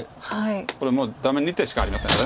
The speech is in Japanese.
これもうダメ２手しかありませんから。